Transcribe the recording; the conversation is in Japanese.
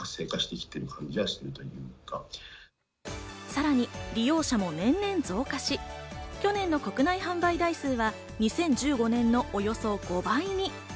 さらに利用者も年々増加し、去年の国内販売台数は２０１５年のおよそ５倍に。